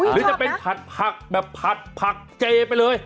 หรือจะเป็นผัดผักแบบผัดผักเจไปเลย